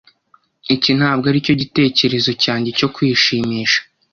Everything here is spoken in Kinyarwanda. Iki ntabwo aricyo gitekerezo cyanjye cyo kwishimisha.